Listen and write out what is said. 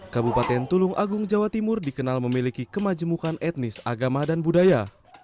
kabupaten tulung agung jawa timur dikenal memiliki kemajemukan etnis agama dan budaya